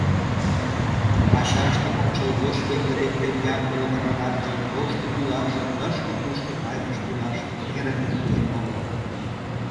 Ачаштын ончылгоч пеҥгыдемден ямдылыме радамже, тошто йӱлаже тышке-тушко тайнышт илаш эрыкым пуэн огыл.